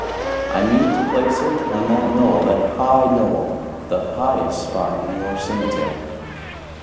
I mean to place it on that knoll that high knoll the highest spot in your cemetery.